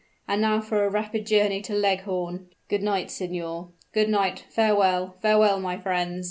And now for a rapid journey to Leghorn!" "Good night, signor." "Good night. Farewell farewell, my friends!"